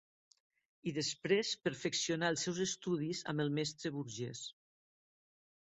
I després perfeccionà els seus estudis amb el mestre Burgés.